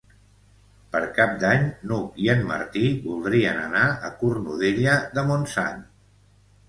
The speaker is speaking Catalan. Per Cap d'Any n'Hug i en Martí voldrien anar a Cornudella de Montsant.